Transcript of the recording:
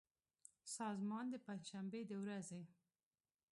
سازمان د پنجشنبې د ورځې